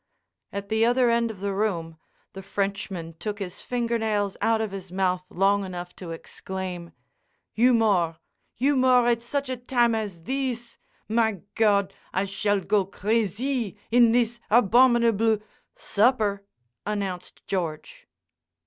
At the other end of the room, the Frenchman took his finger nails out of his mouth long enough to exclaim: "Humor! Humor at such a time as thees! My God, I shall go crazy in thees abominable—" "Supper," announced George.